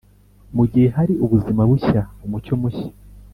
mu gihe hari ubuzima bushya, umucyo mushya,